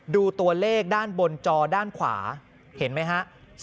ดูตัวเลขด้านบนจอด้านขวาเห็นไหมฮะ